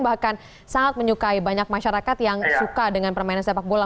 bahkan sangat menyukai banyak masyarakat yang suka dengan permainan sepak bola